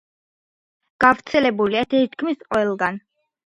გავრცელებულია თითქმის ყველგან.